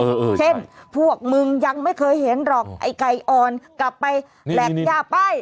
เช่นพวกมึงยังไม่เคยเห็นหรอกไอ้ไก่อ่อนกลับไปแหลกย่าไป